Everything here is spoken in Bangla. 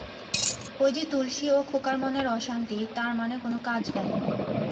ঐ যে তুলসী ও খোকার মনের অশান্তি, তার মানে কোন কাজ নাই।